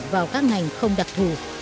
vào các ngành không đặc thù